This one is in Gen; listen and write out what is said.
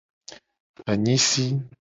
Anyisi.